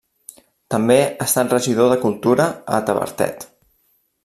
També ha estat regidor de cultura a Tavertet.